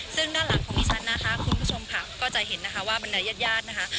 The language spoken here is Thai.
ซึ่งด้านหลังของดิฉันนะคะคุณผู้ชมค่ะก็จะเห็นนะคะว่าบรรดายญาติญาตินะคะ